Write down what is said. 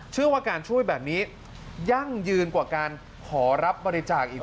เชื่อว่าการช่วยแบบนี้ยั่งยืนกว่าการขอรับบริจาคอีก